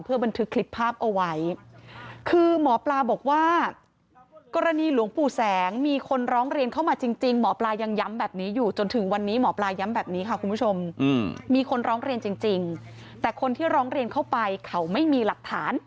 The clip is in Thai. บันทึกคลิปภาพเอาไว้คือหมอปลาบอกว่ากรณีหลวงปู่แสงมีคนร้องเรียนเข้ามาจริงหมอปลายังย้ำแบบนี้อยู่จนถึงวันนี้หมอปลาย้ำแบบนี้ค่ะคุณผู้ชมมีคนร้องเรียนจริงแต่คนที่ร้องเรียนเข้าไปเขาไม่มีหลักฐาน